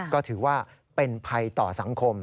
ก็ถือว่าเป็นภัยต่อสังคม